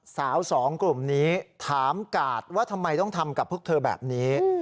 สองกลุ่มนี้ถามกาดว่าทำไมต้องทำกับพวกเธอแบบนี้